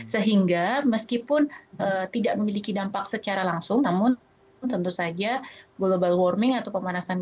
sehingga meskipun tidak memiliki dampak secara langsung namun tentu saja global warming atau pemanasan